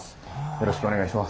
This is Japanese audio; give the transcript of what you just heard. よろしくお願いします。